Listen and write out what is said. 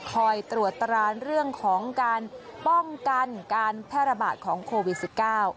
คอยตรวจตรานเรื่องของการป้องกันการแพร่ระบาดของโควิดสิบเก้า